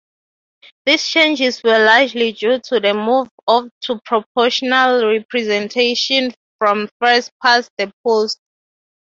These changes were largely due to the move to proportional representation from first-past-the-post.